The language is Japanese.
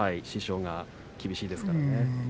師匠が厳しいですから。